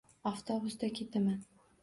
Avtobusda ketaman